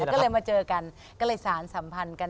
ก็เลยมาเจอกัน